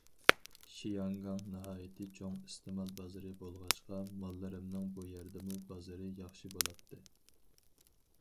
شياڭگاڭ ناھايىتى چوڭ ئىستېمال بازىرى بولغاچقا، ماللىرىمنىڭ بۇ يەردىمۇ بازىرى ياخشى بولاتتى.